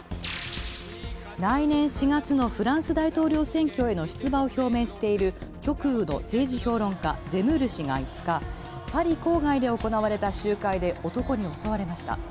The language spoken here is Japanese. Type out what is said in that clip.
来年四月のフランス大統領選挙への出馬を表明している極右の政治評論家ゼムール氏が５日パリ郊外で行われた集会で男に襲われました。